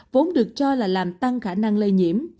vốn được cho là làm tăng khả năng lây nhiễm